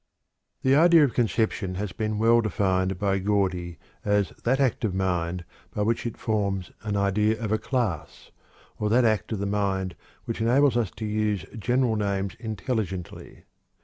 The process of conception has been well defined by Gordy as "that act of mind by which it forms an idea of a class; or that act of the mind that enables us to use general names intelligently."